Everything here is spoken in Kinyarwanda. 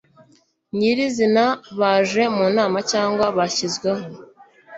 nyirizina baje mu nama cyangwa bashyizweho